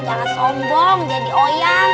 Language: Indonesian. jangan sombong jadi oyang